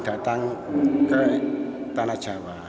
datang ke tanah jawa